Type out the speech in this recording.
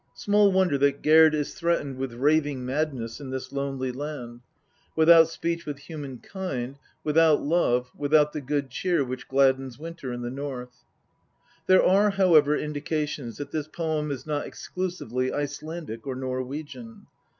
Small wonder XL THE POETIC EDDA. that Gerd is threatened with raving madness in this lonely land, without speech with human kind, without love, without the good cheer which gladdens winter in the North. There are, however, indications that this poem is not exclusively Icelandic or Norwegian.